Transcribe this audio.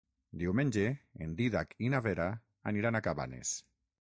Diumenge en Dídac i na Vera aniran a Cabanes.